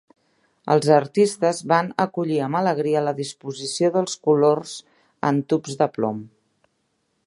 Els artistes van acollir amb alegria la disposició dels colors en tubs de plom